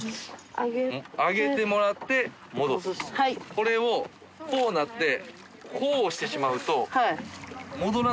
これをこうなって海押してしまうと餅田）